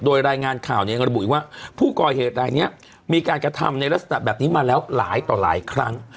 โดยรายงานข่าวเนี่ยยังระบุอีกว่าผู้ก่อเหตุรายนี้มีการกระทำในลักษณะแบบนี้มาแล้วหลายต่อหลายครั้ง